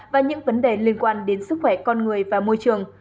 và những vấn đề liên quan đến sức khỏe con người và môi trường